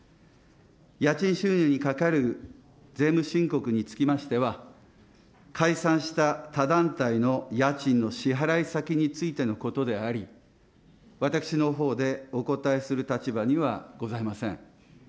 家賃収入にかかる税務申告につきましては、解散した他団体の家賃の支払先についてのことであり、私のほうでお答えする立場にはございません。